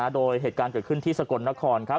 โดยเหตุการณ์เกิดขึ้นที่สกลนครครับ